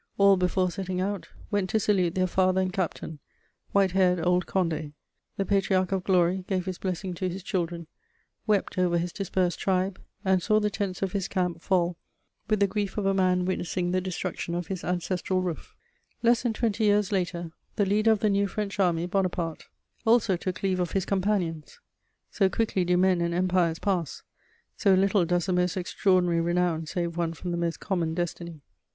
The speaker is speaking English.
All, before setting out, went to salute their father and captain, white haired old Condé: the patriarch of glory gave his blessing to his children, wept over his dispersed tribe, and saw the tents of his camp fall with the grief of a man witnessing the destruction of his ancestral roof." Less than twenty years later, the leader of the new French Army, Bonaparte, also took leave of his companions: so quickly do men and empires pass, so little does the most extraordinary renown save one from the most common destiny!